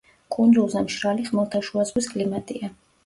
კუნძულზე მშრალი ხმელთაშუაზღვის კლიმატია.